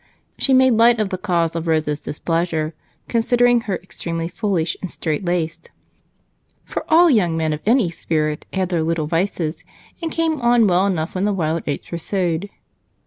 She made light of the cause of Rose's displeasure, considering her extremely foolish and straitlaced, "for all young men of any spirit had their little vices, and came out well enough when the wild oats were sowed."